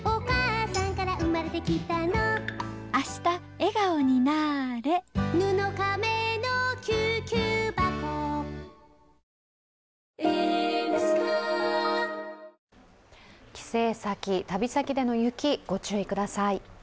三井不動産帰省先、旅先での雪ご注意ください。